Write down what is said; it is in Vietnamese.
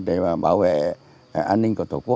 để bảo vệ